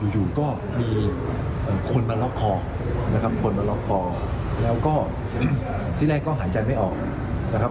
อยู่ก็มีคนมาล็อกคอนะครับคนมาล็อกคอแล้วก็ที่แรกก็หายใจไม่ออกนะครับ